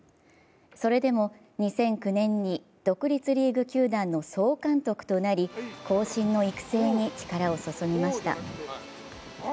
それでも２００９年に独立リーグ球団の総監督となり後進の育成に力を注ぎました。